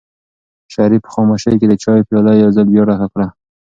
شریف په خاموشۍ کې د چایو پیاله یو ځل بیا ډکه کړه.